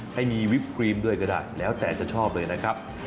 ให้มีวิปครีมด้วยก็ได้แล้วแต่จะชอบเลยนะครับ